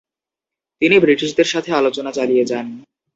তিনি ব্রিটিশদের সাথে আলোচনা চালিয়ে যান।